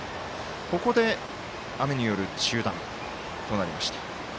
ここで雨による中断となりました。